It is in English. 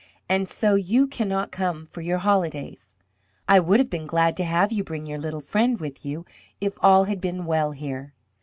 And so you cannot come for your holidays. I would have been glad to have you bring your little friend with you if all had been well here.